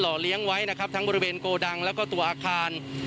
เลี้ยงไว้นะครับทั้งบริเวณโกดังแล้วก็ตัวอาคาร